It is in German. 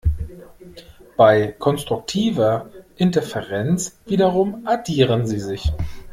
Bei konstruktiver Interferenz wiederum addieren sie sich.